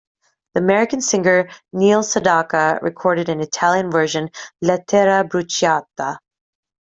The American singer Neil Sedaka recorded an Italian version, "Lettera bruciata".